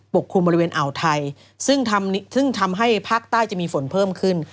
กลุ่มบริเวณอ่าวไทยซึ่งทำให้ภาคใต้จะมีฝนเพิ่มขึ้น